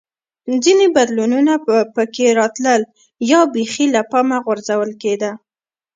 ځیني بدلونونه به په کې راتلل یا بېخي له پامه غورځول کېده